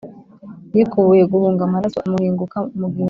Yikubuye guhunga amaraso amuhinguka mu gihumbi,